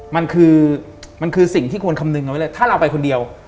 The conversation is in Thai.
มันคือมันคือสิ่งที่ควรคำนึงเอาไว้เลยถ้าเราไปคนเดียว